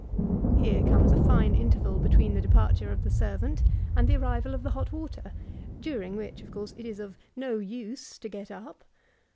— ^Here coiiies a fine interval between the departure of the flervani and the arrival of the hot water; durii^ whkb^of course, it is of "no use to get up.